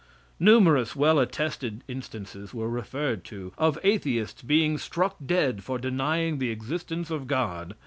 Numerous well attested instances were referred to, of atheists being struck dead for denying the existence of God.